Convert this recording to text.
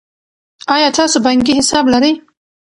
آیا تاسو بانکي حساب لرئ.